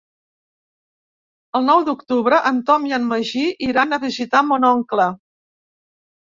El nou d'octubre en Tom i en Magí iran a visitar mon oncle.